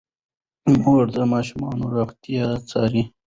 مور د ماشومانو روغتیا څاري.